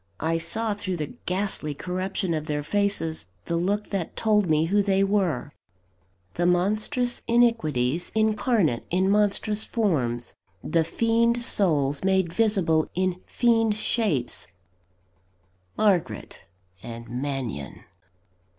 I saw through the ghastly corruption of their faces the look that told me who they were the monstrous iniquities incarnate in monstrous forms; the fiend souls made visible in fiend shapes Margaret and Mannion!